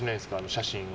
写真を。